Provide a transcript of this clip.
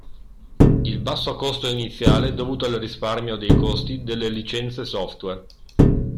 Il basso costo iniziale dovuto al risparmio dei costi delle licenze software.